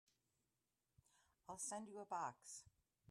I'll send you a box.